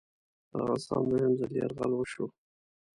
پر افغانستان دوهم ځل یرغل وشو.